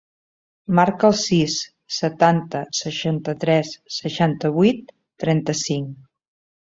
Marca el sis, setanta, seixanta-tres, seixanta-vuit, trenta-cinc.